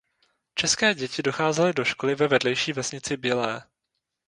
České děti docházely do školy ve vedlejší vesnici Bělé.